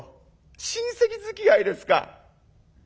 親戚づきあいですか？